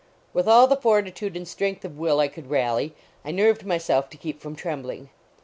With all the fortitude and strength of will I could rally, I nerved myself to keep from trembling.